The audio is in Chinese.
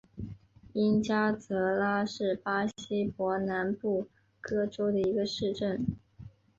因加泽拉是巴西伯南布哥州的一个市镇。